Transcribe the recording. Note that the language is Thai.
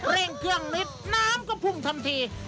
เร่งเครื่องนิดน้ำก็พุ่งทันที